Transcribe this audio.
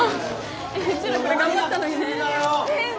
うちらこれ頑張ったのにね。